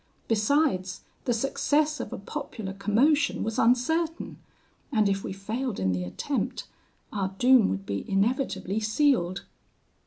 Besides, the success of a popular commotion was uncertain; and if we failed in the attempt, our doom would be inevitably sealed.